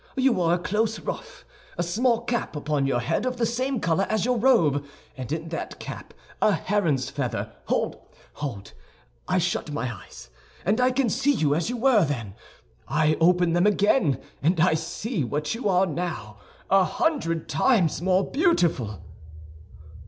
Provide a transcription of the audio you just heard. You wore a close ruff, a small cap upon your head of the same color as your robe, and in that cap a heron's feather. Hold! Hold! I shut my eyes, and I can see you as you then were; I open them again, and I see what you are now—a hundred times more beautiful!"